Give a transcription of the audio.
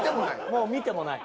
もう見てもない。